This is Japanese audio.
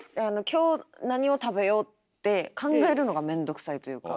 「今日何を食べよう」って考えるのが面倒くさいというか。